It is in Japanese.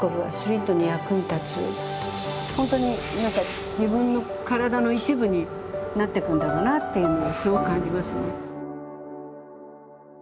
本当に何か自分の体の一部になっていくんだろうなっていうのはすごく感じますね。